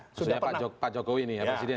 maksudnya pak jokowi nih ya presiden